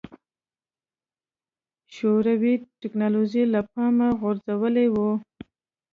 شوروي ټکنالوژي له پامه غورځولې وه.